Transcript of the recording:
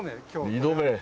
２度目？